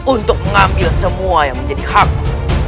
untuk mengambil semua yang menjadi hakku